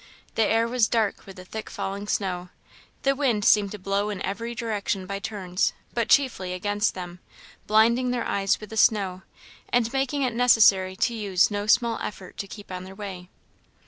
The air was dark with the thick falling snow; the wind seemed to blow in every direction by turns, but chiefly against them, blinding their eyes with the snow, and making it necessary to use no small effort to keep on their way.